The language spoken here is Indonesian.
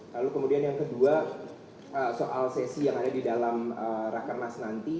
lalu kemudian yang kedua soal sesi yang ada di dalam rakernas nanti